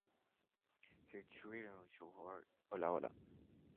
We were secretly preparing to welcome Him back.